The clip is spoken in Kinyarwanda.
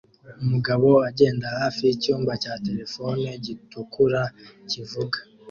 Umugabo agenda hafi yicyumba cya terefone gitukura kivuga